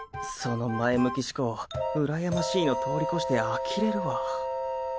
その前向き思考うらやましいの通り越してあきれるわ。